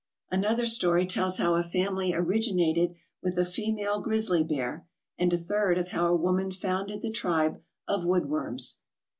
Another story tells how a family originated with a female grizzly bear, and a third of how a woman founded the tribe of Woodworms.